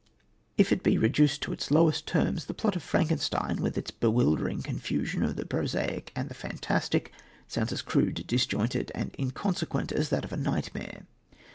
If it be reduced to its lowest terms, the plot of Frankenstein, with its bewildering confusion of the prosaic and the fantastic, sounds as crude, disjointed and inconsequent as that of a nightmare.